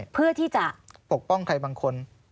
เพื่อที่จะปกป้องใครบางคน